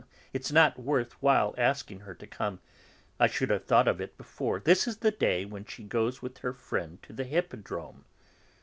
It's not worth while asking her to come; I should have thought of it before, this is the day when she goes with her friend to the Hippodrome.